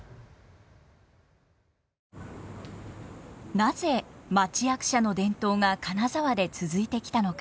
なぜ町役者の伝統が金沢で続いてきたのか。